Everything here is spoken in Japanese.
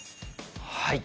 はい。